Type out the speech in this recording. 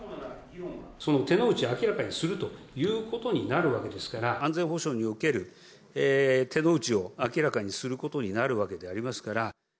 その手の内を明らかにするということになるわけですから、安全保障における手の内を明らかにすることになるわけでありますから。